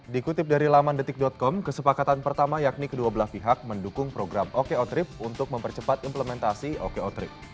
dikutip dari lamandetik com kesepakatan pertama yakni kedua belah pihak mendukung program oko trip untuk mempercepat implementasi oko trip